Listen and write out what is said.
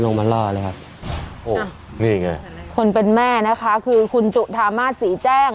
มาล่อเลยครับโอ้นี่ไงคนเป็นแม่นะคะคือคุณจุธามาศศรีแจ้ง